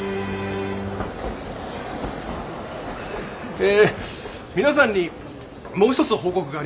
え皆さんにもう一つ報告があります。